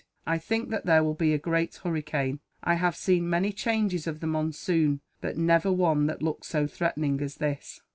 "I think that there will be a great hurricane. I have seen many changes of the monsoon, but never one that looked so threatening as this."